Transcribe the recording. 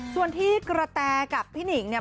ส่วนที่กระแตกับพี่หนิงเนี่ย